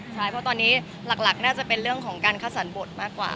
ใช่เพราะตอนนี้หลักน่าจะเป็นเรื่องของการคัดสรรบทมากกว่า